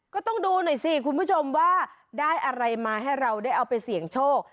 ก็ต้องดูหน่อยสิคุณผู้ชมว่าได้อะไรมาให้เราได้เอาไปเสี่ยงโชค